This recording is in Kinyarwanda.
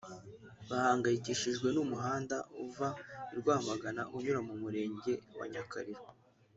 bahangayikishijwe n’umuhanda uva i Rwamagana unyura mu Murenge wa Nyakariro